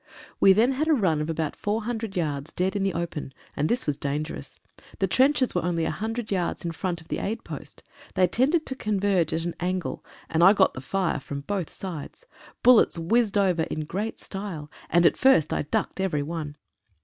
We then had a run of about 400 yards dead in the open, and this was dangerous. The trenches were only 100 yards in front of the aid post. They tended to converge at an angle, and I got the fire from both sides. Bullets whizzed over in great style, and at first I ducked at every one.